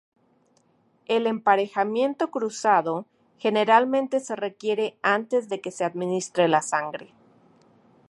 El emparejamiento cruzado generalmente se requiere antes de que se administre la sangre.